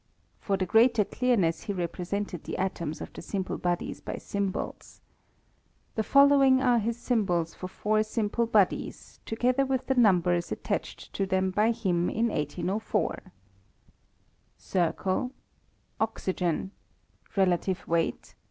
For the greater clearness he represented the atoms of the simple bodies by symbols. The fol lowing are his symbols for four simple bodies, to gether w^th the numbers attached to them by him in 1^04 : RdatiTe weights.